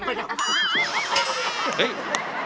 ก็ได้